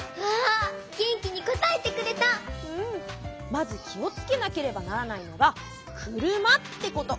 まずきをつけなければならないのが「くるま」ってこと！